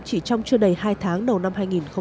chỉ trong chưa đầy hai tháng đầu năm hai nghìn một mươi tám